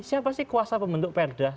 siapa sih kuasa pembentuk peraturan daerah